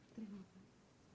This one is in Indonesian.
terima kasih bapak